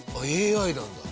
ＡＩなんだ。